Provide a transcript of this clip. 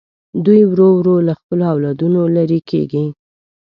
دوی ورو ورو له خپلو اولادونو لرې کېږي.